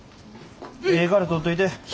ええから取っといて。